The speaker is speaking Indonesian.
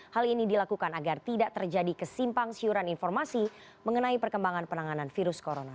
hal ini dilakukan agar tidak terjadi kesimpang siuran informasi mengenai perkembangan penanganan virus corona